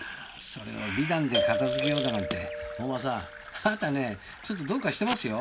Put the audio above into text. それを美談で片付けようだなんて大洞さんあんたねぇちょっとどうかしてますよ。